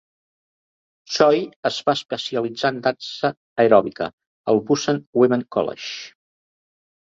Choi es va especialitzar en dansa aeròbica al Busan Women College.